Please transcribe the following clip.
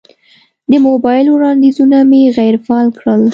د موبایل وړاندیزونه مې غیر فعال کړل.